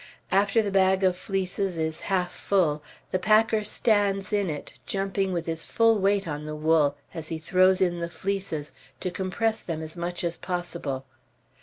After the bag of fleeces is half full, the packer stands in it, jumping with his full weight on the wool, as he throws in the fleeces, to compress them as much as possible.